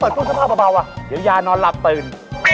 เดี๋ยวยานอนหลับตื่น